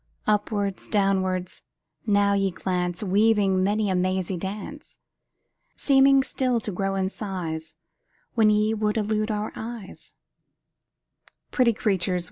Upwards, downwards, now ye glance, Weaving many a mazy dance; Seeming still to grow in size When ye would elude our eyes Pretty creatures!